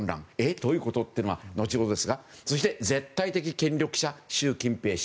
どういうことは後ほどですがそして絶対的権力者、習近平氏。